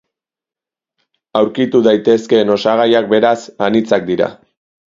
Aurkitu daitezkeen osagaiak, beraz, anitzak dira.